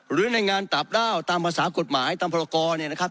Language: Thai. หรือในงานต่างด้าวตามภาษากฎหมายตามพรกรเนี่ยนะครับ